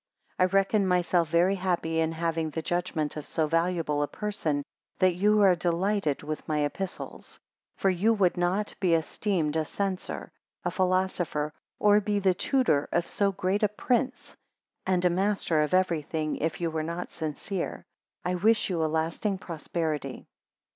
4 I reckon myself very happy in having the judgment of so valuable a person, that you are delighted with my Epistles: 5 For you would not be esteemed a censor, a philosopher, or be the tutor of so great a prince, and a master of everything, if you were not sincere. I wish you a lasting prosperity.